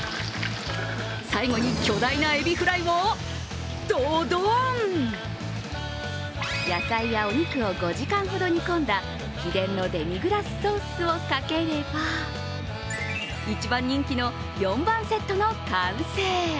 最後に巨大なエビフライをドドン野菜やお肉を５時間ほど煮込んだ秘伝のデミグラスソースをかければ一番人気の４番セットの完成。